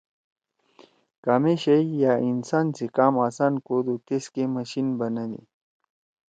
کامے شئی یأ انسان سی کام آسان کودُو تیس کے مشیِن بنَدی۔